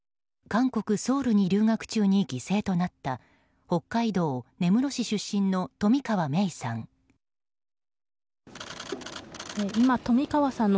韓国ソウルに留学中に犠牲となった北海道根室市出身の冨川芽生さん。